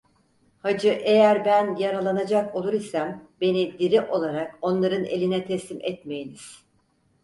Hacı eğer ben yaralanacak olur isem beni diri olarak onların eline teslim etmeyiniz.